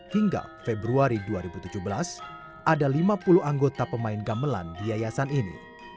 hingga februari dua ribu tujuh belas ada lima puluh anggota pemain gamelan di yayasan ini